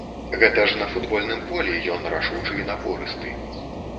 Гэта ж на футбольным полі ён рашучы і напорысты.